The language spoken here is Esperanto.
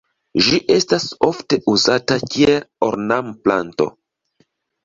Ĝi estas ofte uzata kiel ornamplanto.